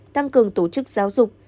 tăng cường tổ chức giáo dục